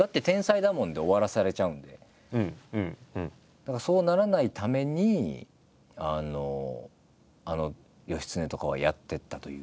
だからそうならないためにあの義経とかをやってったというか。